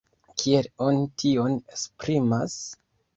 Kiel oni tion esprimas?